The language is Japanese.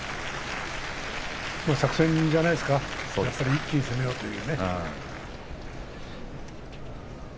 作戦じゃないですか一気に攻めようというね。